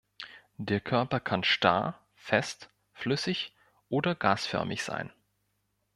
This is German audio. Der Körper kann starr, fest, flüssig oder gasförmig sein.